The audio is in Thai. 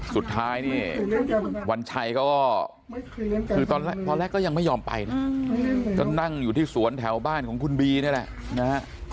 สุดท้ายนี่วันชัยก็คือตอนแรกก็ยังไม่ยอมไปนะก็นั่งอยู่ที่สวนแถวบ้านของคุณบีนี่แหละนะฮะ